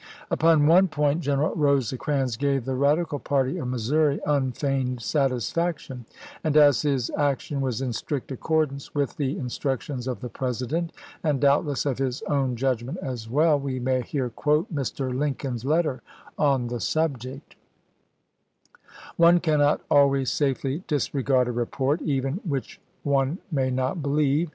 Upon one point General Eosecrans gave the Eadical party of Missouri unfeigned satisfaction; and as his action was in strict accordance with the instructions of the President, and doubtless of his own judgment as well, we may here quote Mr. Lincoln's letter on the subject: One cannot always safely disregard a report, even which one may not believe.